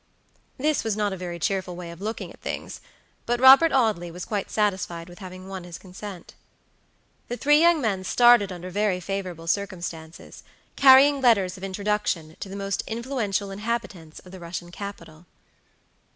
This was not a very cheerful way of looking at things, but Robert Audley was quite satisfied with having won his consent. The three young men started under very favorable circumstances, carrying letters of introduction to the most influential inhabitants of the Russian capital.